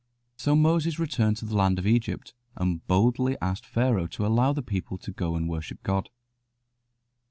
] So Moses returned to the land of Egypt and boldly asked Pharaoh to allow the people to go and worship God.